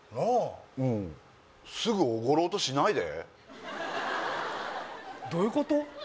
うんすぐおごろうとしないでどういうこと？